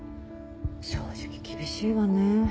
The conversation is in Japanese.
正直厳しいわね。